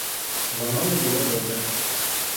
Воно не було добре.